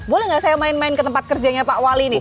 boleh nggak saya main main ke tempat kerjanya pak wali nih